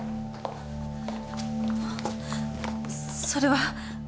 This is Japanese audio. それは。